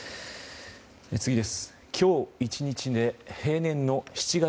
次です。